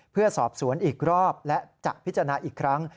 เพื่อสอบสวนอีกรอบและจะพิจารณาอีกครั้ง